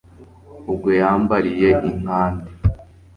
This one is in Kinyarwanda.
ubwo yambariye i nkand